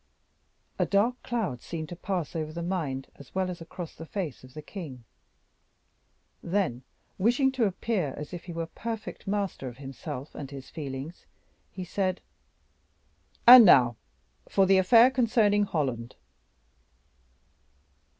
A dark cloud seemed to pass over the mind as well as across the face of the king; then, wishing to appear as if he were perfect master of himself and his feelings, he said, "And now for the affair concerning Holland."